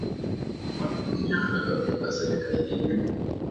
na hakukuwa na maoni ya haraka kutoka serikalini